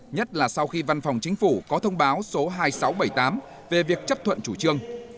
nhất là sau khi văn phòng chính phủ có thông báo số hai nghìn sáu trăm bảy mươi tám về việc chấp thuận chủ trương